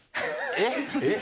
えっ！？